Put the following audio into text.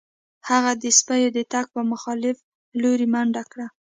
هغه د سپیو د تګ په مخالف لوري منډه کړه